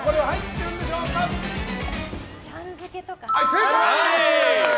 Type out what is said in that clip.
正解！